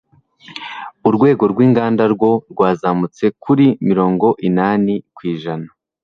urwego rw'inganda rwo rwazamutse kuri mirongo inani kwijana